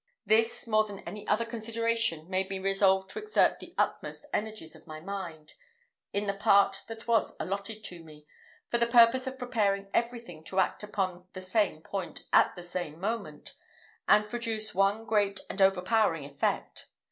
This, more than any other consideration, made me resolve to exert the utmost energies of my mind, in the part that was allotted to me, for the purpose of preparing everything to act upon the same point at the same moment, and produce one great and overpowering effect.